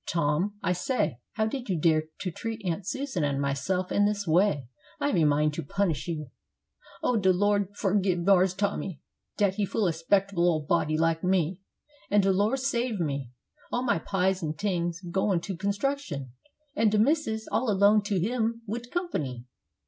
Tom, I say, how did you dare to treat Aunt Susan and myself in this way? I have a mind to punish you." "Oh, de Lor' forgib Marse Tommy dat he fool a 'spectable ole body like me; an' de Lor' save me! all my pies an' tings goin' to construction, an' de missus all alone to hum wid comp'ny!